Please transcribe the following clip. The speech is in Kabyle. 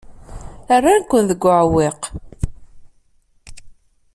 Rran-ken deg uɛewwiq.